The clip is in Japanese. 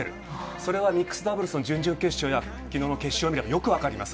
それがミックスダブルスの準々決勝や、きのうの決勝を見たらよく分かります。